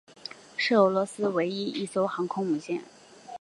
是俄罗斯唯一一艘航空母舰。